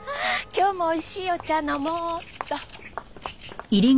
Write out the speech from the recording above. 今日も美味しいお茶飲もうっと。